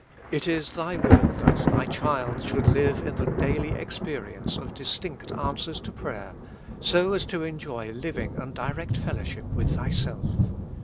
// is Thy will that Thy child should live in the daily experience of distinct answers to prayer, so as to enjoy living and direct fellowship with Thyself.